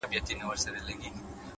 کوچني ګامونه لوی منزل ته رسېږي،